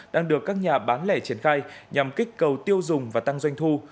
đang được các nhà bán lẻ triển khai nhằm kích cầu tiêu dùng và tăng doanh thu